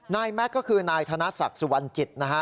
แม็กซ์ก็คือนายธนศักดิ์สุวรรณจิตนะฮะ